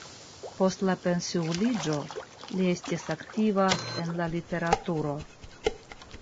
Post la pensiuliĝo li estis aktiva en la literaturo.